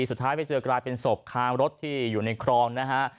สุดท้ายไปเจอกลายเป็นศพคางรถที่อยู่ในครองนะฮะ